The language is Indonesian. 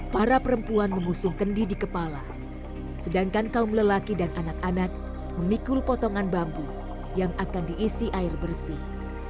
para perempuan mengusung kendi di kepala sedangkan kaum lelaki dan anak anak memikul potongan bambu yang akan diisi air bersih